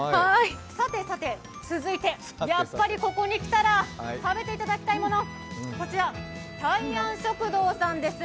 さてさて、続いて、ここに来たら食べていただきたいもの、こちら大安食堂さんです。